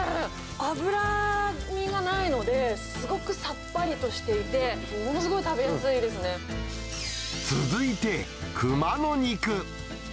脂身がないので、すごくさっぱりとしていて、ものすごい食べやす続いて、クマの肉。